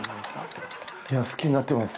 いや好きになってます